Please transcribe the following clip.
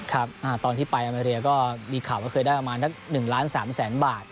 ครับตอนที่ไปอเมริก็มีข่าวว่าเคยได้ประมาณสัก๑ล้าน๓แสนบาท